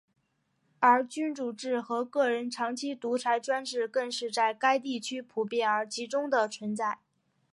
而君主制和个人长期独裁专制更是在该地区普遍而集中地存在。